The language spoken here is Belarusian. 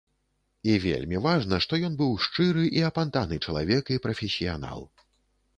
І вельмі важна, што ён быў шчыры і апантаны чалавек і прафесіянал.